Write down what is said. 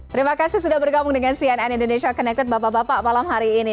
terima kasih sudah bergabung dengan cnn indonesia connected bapak bapak malam hari ini